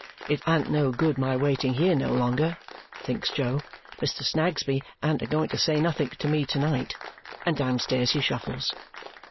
"It an't no good my waiting here no longer," thinks Jo. "Mr. Snagsby an't a going to say nothink to me to night." And downstairs he shuffles.